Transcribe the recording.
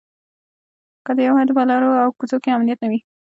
که د یوه هيواد په الرو او کوڅو کې امنيت نه وي؛